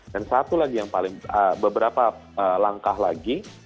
dan satu lagi yang paling beberapa langkah lagi